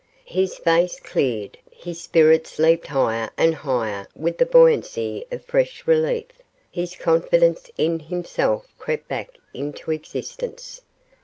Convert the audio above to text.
His face cleared, his spirits leaped higher and higher with the buoyancy of fresh relief, his confidence in himself crept back into existence.